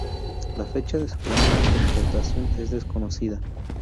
La fecha de su primera interpretación es desconocida.